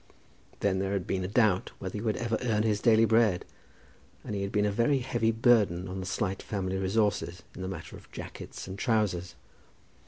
Then there had been a doubt whether he would ever earn his daily bread, and he had been a very heavy burden on the slight family resources in the matter of jackets and trousers.